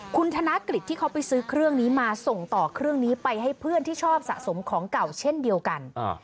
คุณธนกฤษที่เขาไปซื้อเครื่องนี้มาส่งต่อเครื่องนี้ไปให้เพื่อนที่ชอบสะสมของเก่าเช่นเดียวกัน